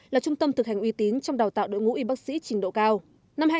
là trung tâm thực hành uy tín trong đào tạo đội ngũ y bác sĩ trình độ cao